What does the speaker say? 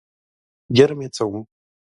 جرم یې څه و؟